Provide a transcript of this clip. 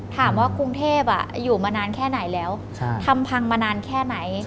ถามว่ากรุงเทพอยู่มานานแค่ไหนแล้วทำพังมานานแค่ไหน